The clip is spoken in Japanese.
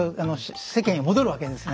世間へ戻るわけですね。